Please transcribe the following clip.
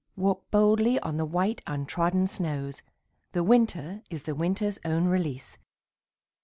Walk boldly on the white untrodden snows, The winter is the winter's own release.